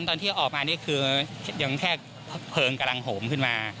ตอนที่ออกมานี่คือยังแค่เพลิงกำลังโหมขึ้นมา